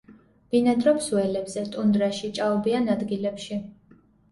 ბინადრობს ველებზე, ტუნდრაში, ჭაობიან ადგილებში.